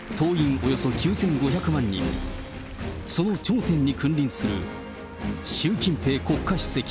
およそ９５００万人、その頂点に君臨する習近平国家主席。